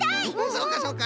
そうかそうか。